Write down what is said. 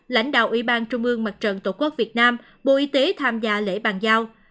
lãnh đạo ủy ban trung ương mặt trận tổ quốc việt nam bộ y tế tham gia lễ bàn giao